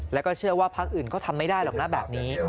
แล้วก็เชื่อว่าพักอื่นก็ทำไม่ได้หรอกนะแบบนี้